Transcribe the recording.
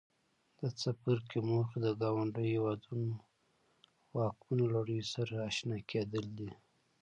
د څپرکي موخې د ګاونډیو هېوادونو واکمنو لړیو سره آشنا کېدل دي.